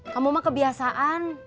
kamu mah kebiasaan